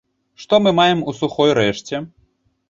Што мы маем у сухой рэшце?